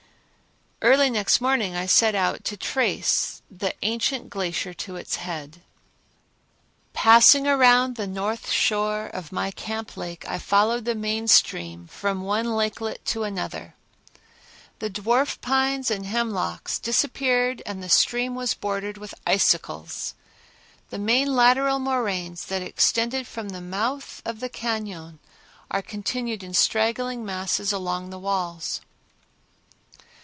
Early next morning I set out to trace the ancient glacier to its head. Passing around the north shore of my camp lake I followed the main stream from one lakelet to another. The dwarf pines and hemlocks disappeared and the stream was bordered with icicles. The main lateral moraines that extend from the mouth of the cañon are continued in straggling masses along the walls.